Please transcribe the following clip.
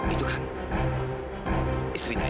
itu kan istrinya iksan